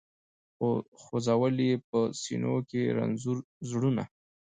خو ځول یې په سینو کي رنځور زړونه